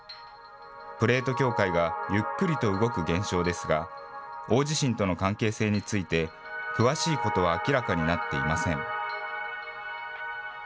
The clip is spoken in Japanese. プレート境界がゆっくりと動く現象ですが、大地震との関係性について、詳しいことは明らかになっていません。